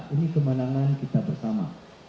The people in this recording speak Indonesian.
ini kemenangan kita bersama